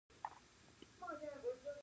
ګیرو ولسوالۍ دښتې لري؟